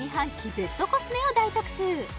ベストコスメを大特集